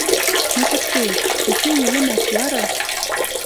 Ну, кыце? Техень ӹлӹмӓш яра?